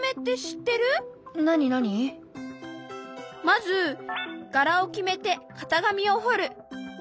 まず柄を決めて型紙をほる。